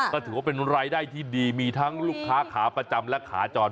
ก็ถือว่าเป็นรายได้ที่ดีมีทั้งลูกค้าขาประจำและขาจร